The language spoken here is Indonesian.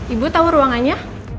ibu tau ruangannya